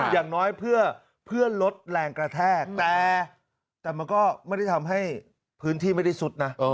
อย่างน้อยเพื่อลดแรงกระแทกแต่มันก็ไม่ได้ทำให้พื้นที่ไม่ได้ซุดนะ